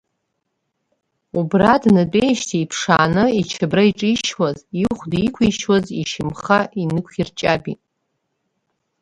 Убра днатәеижьҭеи иԥшааны ичабра иҿишьуаз, ихәда иқәишьуаз ишьамхы инықәирҷабит.